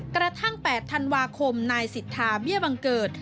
กระทั่ง๘ธันวาคมนายสิทธาเบี้ยบังเกิด